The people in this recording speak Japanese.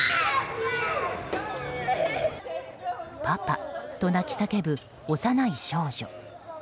パパと泣き叫ぶ幼い少女。